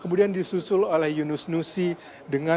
kemudian disusul oleh yunus nusi dengan lima puluh tiga